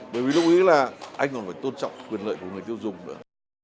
bởi vì tôi nghĩ là anh còn phải tôn trọng quyền lợi của người tiêu dùng nữa